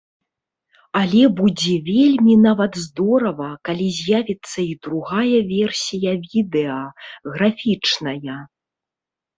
Але будзе вельмі нават здорава, калі з'явіцца і другая версія відэа, графічная!